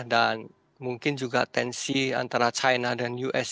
dan mungkin juga tensi antara china dan us